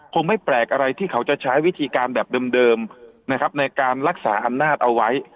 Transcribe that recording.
คงไม่แปลกอะไรที่เขาจะใช้วิธีการแบบเดิมนะครับในการรักษาอำนาจเอาไว้